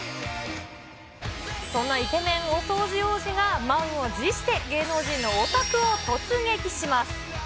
そんなイケメンお掃除王子が、満を持して、芸能人のお宅を突撃します。